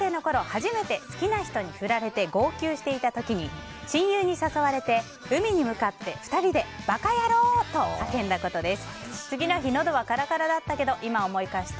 初めて好きな人に振られて号泣していた時に親友に誘われて海に向かって２人でバカヤロー！と叫んだことです。